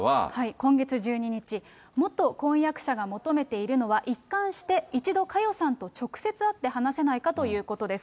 今月１２日、元婚約者が求めているのは、一貫して一度佳代さんと直接会って話せないかということです。